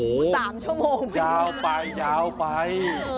สามชั่วโมงยาวไปยาวไป